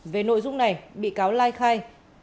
về nội dung này bị cáo lai khai